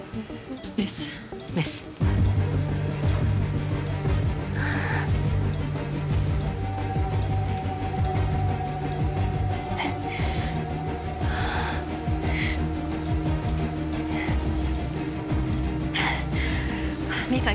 メスメスミンさん